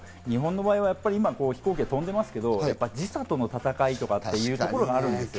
日本の場合は今、飛行機で飛んでますけど、時差との戦いというところもあるんですね。